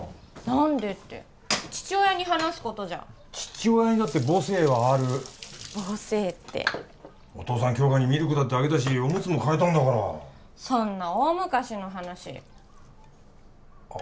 「何で」って父親に話すことじゃ父親にだって母性はある母性ってお父さん杏花にミルクだってあげたしおむつも替えたんだからそんな大昔の話あ